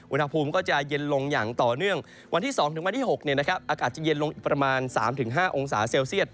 วันทะพูมก็จะเย็นลงอย่างต่อเนื่องวันที่๒๖อากาศจะเย็นลงประมาณ๓๕องศาเซลเซียต